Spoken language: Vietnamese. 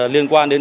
liên quan đến